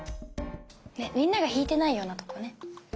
みんなが引いてないようなとこね。